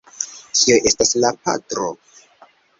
Kio estas la patro?